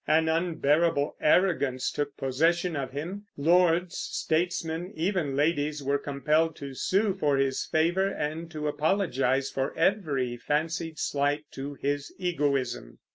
An unbearable arrogance took possession of him. Lords, statesmen, even ladies were compelled to sue for his favor and to apologize for every fancied slight to his egoism.